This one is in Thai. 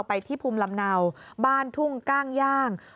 ไปที่ภูมิลำเนาบ้านทุ่งก้างย่าง